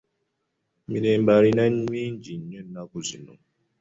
Emirembe alina mingi nnyo ennaku zino.